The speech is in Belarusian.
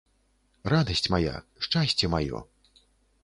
Радасць мая, шчасце маё.